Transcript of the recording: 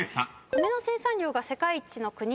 米の生産量が世界一の国「中国」